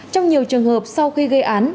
trong nhiều trường hợp sau khi gây án